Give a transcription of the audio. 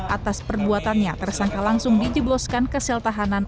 atas perbuatannya tersangka langsung dijebloskan kesel tahanan